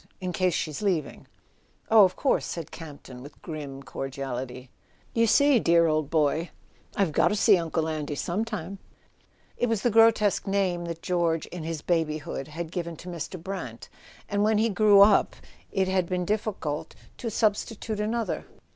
.. in case she's leaving." "Oh, of course," said Campton with grim cordiality. A SON AT THE FRONT "You see, dear old boy, I've got to see Uncle Andy some time. .." It was the grotesque name that George, in his babyhood, had given to Mr. Brant, and when he grew up it had been difficult to substitute another.